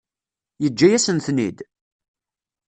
Yeǧǧa-yasen-ten-id?